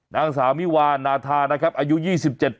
นางสาวมิวานาธานะครับอายุ๒๗ปี